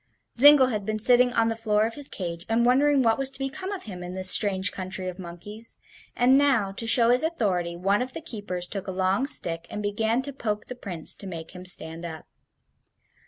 Zingle had been sitting on the floor of his cage and wondering what was to become of him in this strange country of monkeys, and now, to show his authority, one of the keepers took a long stick and began to poke the Prince to make him stand up.